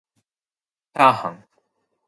ちゃーはん